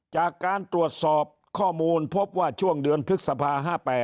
จากการตรวจสอบข้อมูลพบว่าช่วงเดือนพฤษภา๕๘